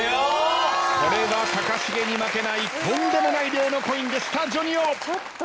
これは高重に負けないとんでもない量のコインでしたＪＯＮＩＯ。